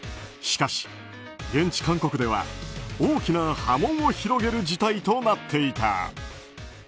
しかし、現地・韓国では大きな波紋を広げる事態となっていた。